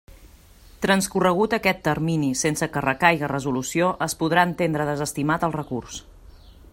Transcorregut aquest termini sense que recaiga resolució es podrà entendre desestimat el recurs.